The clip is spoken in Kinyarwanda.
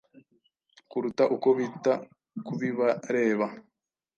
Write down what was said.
kuruta uko bita kubibareba